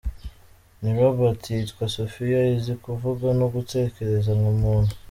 Ni robot yitwa Sophia izi kuvuga no gutekereza nka muntu.